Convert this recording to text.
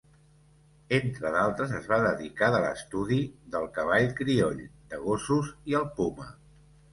Entre d'altres, es va dedicar de l'estudi del cavall crioll, de gossos i al puma.